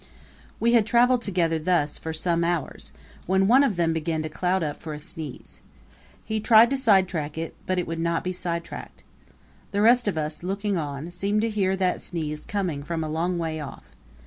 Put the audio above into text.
We had traveled together thus for some hours when one of them began to cloud up for a sneeze. He tried to sidetrack it, but it would not be sidetracked. The rest of us, looking on, seemed to hear that sneeze coming from a long way off.